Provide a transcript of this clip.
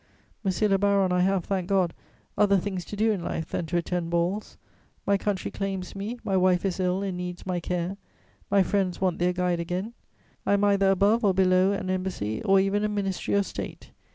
Monsieur le baron, I have, thank God, other things to do in life than to attend balls. My country claims me, my wife is ill and needs my care, my friends want their guide again. I am either above or below an embassy, or even a ministry of State.